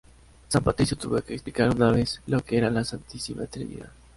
San Patricio tuvo que explicar una vez lo que era la Santísima Trinidad.